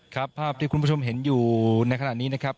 ภาพที่คุณผู้ชมเห็นอยู่ในขณะนี้นะครับ